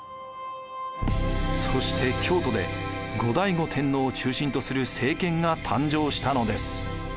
そして京都で後醍醐天皇を中心とする政権が誕生したのです。